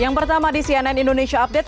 yang pertama di cnn indonesia update